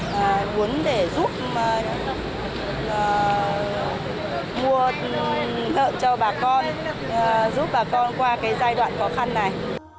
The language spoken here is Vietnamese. và muốn để giúp mua lợn cho bà con giúp bà con qua cái giai đoạn khó khăn này